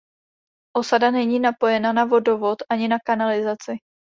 Osada není napojena na vodovod ani na kanalizaci.